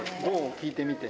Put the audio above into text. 聴いてみて。